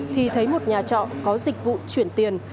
thì thấy một nhà trọ có dịch vụ chuyển tiền